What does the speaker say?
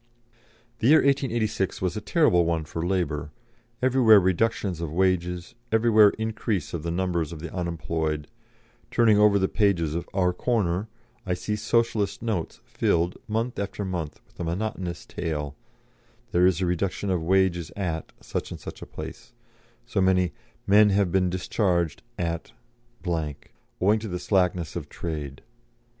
The year 1886 was a terrible one for labour, everywhere reductions of wages, everywhere increase of the numbers of the unemployed; turning over the pages of Our Corner, I see "Socialist Notes" filled, month after month, with a monotonous tale, "there is a reduction of wages at" such and such a place; so many "men have been discharged at , owing to the slackness of trade."